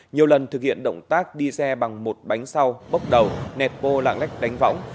nhiều lần thực hiện động tác đi xe bằng một bánh sau bốc đầu nẹt bô lạng lách đánh võng